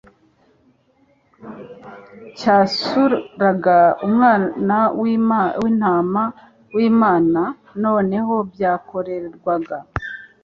cyasuraga Umwana w’Intama w’Imana; none n’aho byakorerwaga,